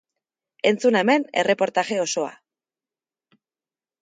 Entzun hemen erreportaje osoa!